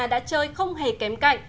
đã chơi không hề kém cạnh